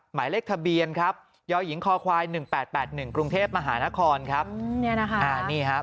หมายเลขทะเบียนครับยหญิงคควาย๑๘๘๑กรุงเทพฯมหานครครับอืมเนี่ยนะคะอ่านี่ครับ